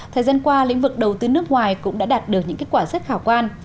thời gian qua lĩnh vực đầu tư nước ngoài cũng đã đạt được những kết quả rất khả quan